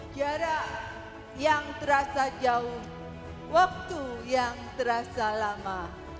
jarak yang terasa jauh waktu yang terasa lama